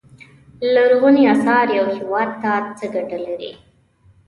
لرغونو اثار یو هیواد ته څه ګټه لري.